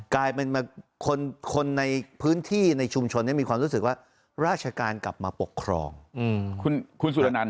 กลายเป็นคนในพื้นที่ในชุมชนมีความรู้สึกว่าราชการกลับมาปกครองคุณสุรนันท